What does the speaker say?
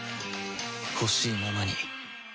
ほしいままに